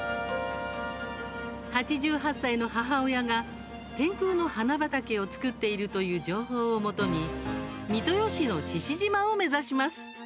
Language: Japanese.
８８歳の母親が天空の花畑を作っているという情報をもとに三豊市の志々島を目指します。